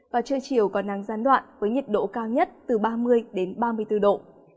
và trời chiều còn nắng gian đoạn với nhiệt độ cao nhất từ ba mươi ba mươi bốn độ